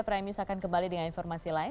prime news akan kembali dengan informasi lain